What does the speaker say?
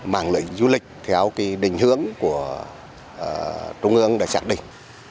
màng lệnh du lịch theo đình hướng của trung ương đã chắc định